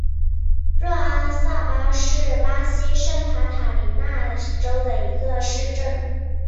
若阿萨巴是巴西圣卡塔琳娜州的一个市镇。